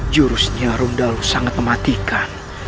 jurusnya rundalu sangat mematikan